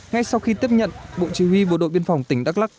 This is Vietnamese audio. ngay sau khi tiếp nhận bộ chỉ huy bộ đội biên phòng tỉnh đắk lắc